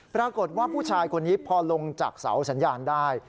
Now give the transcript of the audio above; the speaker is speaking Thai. ปรากฏว่าผู้ชายคนนี้พอลงจากเสาสัญญาณได้